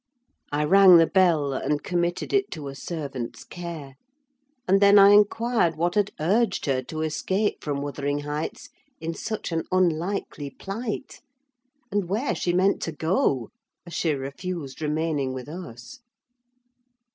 I rang the bell, and committed it to a servant's care; and then I inquired what had urged her to escape from Wuthering Heights in such an unlikely plight, and where she meant to go, as she refused remaining with us.